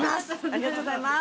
ありがとうございます。